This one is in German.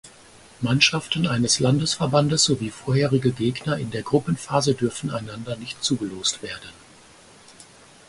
Mannschaften eines Landesverbandes sowie vorherige Gegner in der Gruppenphase dürfen einander nicht zugelost werden.